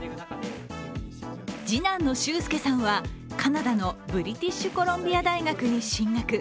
次男の崇輔さんは、カナダのブリティッシュコロンビア大学に進学。